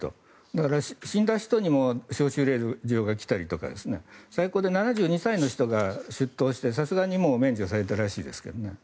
だから死んだ人にも招集令状が来たりとか最高で７２歳の人が招集されてさすがに免除されたらしいですけどね。